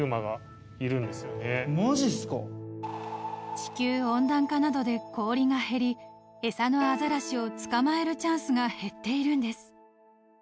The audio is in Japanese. ［地球温暖化などで氷が減り餌のアザラシを捕まえるチャンスが減っているんです］